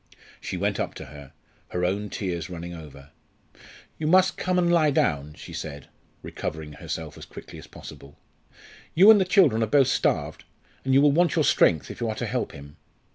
She went up to her, her own tears running over. "You must come and lie down," she said, recovering herself as quickly as possible. "You and the children are both starved, and you will want your strength if you are to help him.